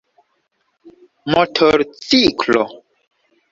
motorciklo